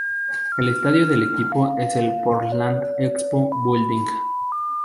El estadio del equipo es el Portland Expo Building.